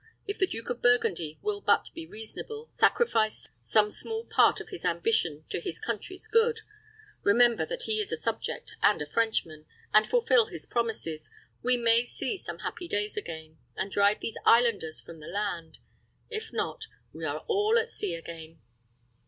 If the Duke of Burgundy will but be reasonable, sacrifice some small part of his ambition to his country's good, remember that he is a subject and a Frenchman, and fulfill his promises, we may see some happy days again, and drive these islanders from the land. If not, we are all at sea again."